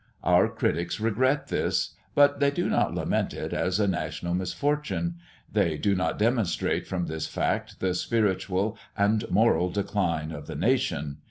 Our critics regret this; but they do not lament it as a national misfortune they do not demonstrate from this fact the spiritual and moral decline of the nation.